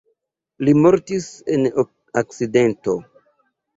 Li mortis en akcidento.